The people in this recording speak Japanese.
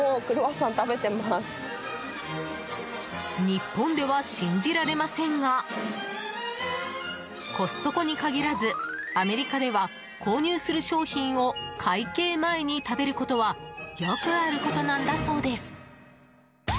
日本では信じられませんがコストコに限らずアメリカでは購入する商品を会計前に食べることはよくあることなんだそうです。